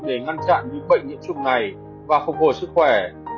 để ngăn chặn và giúp chúng ta chống lại sự xâm nhập của virus